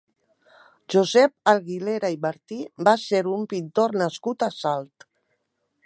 Josep Aguilera i Martí va ser un pintor nascut a Salt.